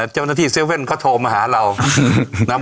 เจ้าหน้าที่เซเว่นเขาโทรมาหาเรา